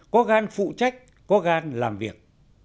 có gan phụ trách có gan làm việc